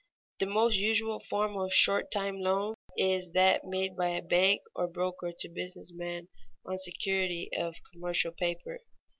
_The most usual form of short time loan is that made by a bank or broker to business men on security of commercial paper.